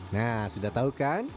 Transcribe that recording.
nah sudah tahu kan